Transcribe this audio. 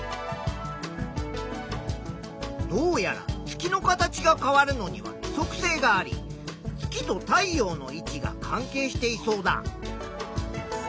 どうやら月の形が変わるのには規則性があり月と太陽の位置が関係していそうだ。